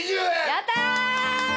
やったー！